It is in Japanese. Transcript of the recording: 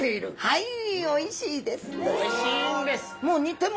はい！